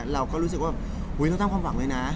เราก็รู้สึกว่าจะต้องตั้งความหวังเลยนะ